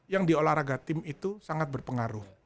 yang di olahraga tim itu sangat berpengaruh